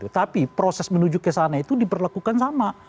tapi proses menuju ke sana itu diperlakukan sama